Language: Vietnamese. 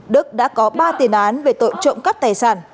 đức đã có ba tiền án về tội trộm cắp tài sản